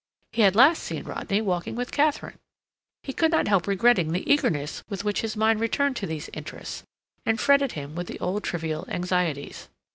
He had last seen Rodney walking with Katharine. He could not help regretting the eagerness with which his mind returned to these interests, and fretted him with the old trivial anxieties.